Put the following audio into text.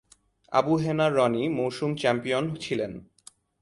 আবু হেনা রনি মৌসুম চ্যাম্পিয়ন ছিলেন।